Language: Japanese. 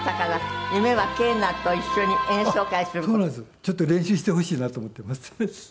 ちょっと練習してほしいなと思っています。